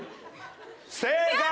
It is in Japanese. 正解！